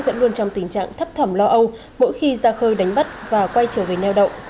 vẫn luôn trong tình trạng thấp thầm lo âu mỗi khi ra khơi đánh bắt và quay trở về neo đậu